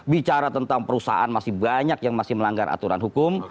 bicara tentang perusahaan masih banyak yang masih melanggar aturan hukum